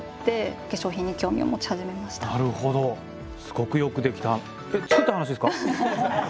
すごくよくできた作った話ですか？